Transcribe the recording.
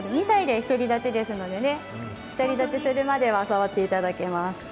２歳で独り立ちですので、独り立ちするまでは触っていただけます。